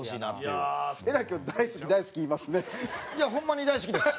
いやホンマに大好きです。